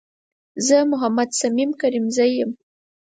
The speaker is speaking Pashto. زه محمد صميم کريمزی یم